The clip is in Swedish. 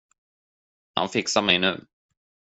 Han fixar mig nu.